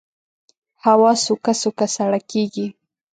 هوا سوکه سوکه سړه کېږي